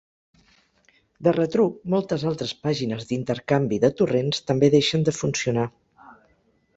De retruc moltes altres pàgines d'intercanvi de Torrents també deixen de funcionar.